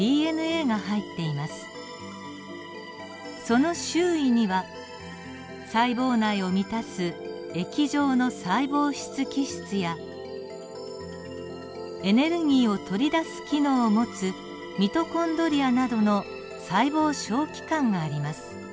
その周囲には細胞内を満たす液状の細胞質基質やエネルギーを取り出す機能を持つミトコンドリアなどの細胞小器官があります。